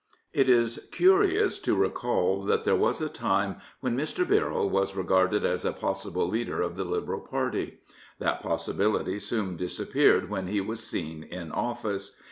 It is curious to recall that there was a time when Mr. Birrell was regarded as a possible leader of the Liberal party. That possibility soon disappeaired when he was seen in office.